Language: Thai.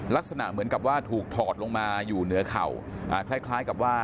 ลักษณะเหมือนกับว่าถูกถอดลงมาอยู่เหนือเข่าคล้ายกับว่า